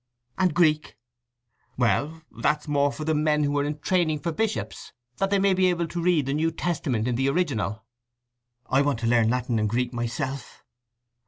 "And Greek?" "Well—that's more for the men who are in training for bishops, that they may be able to read the New Testament in the original." "I want to learn Latin and Greek myself."